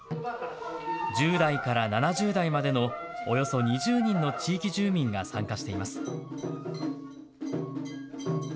１０代から７０代までのおよそ２０人の地域住民が参加しています。